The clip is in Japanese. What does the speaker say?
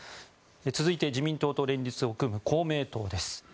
続いて自民党と連立を組む公明党です。